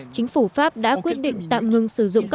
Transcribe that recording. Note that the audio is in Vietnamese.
chính phủ pháp đã quyết định tạm ngưng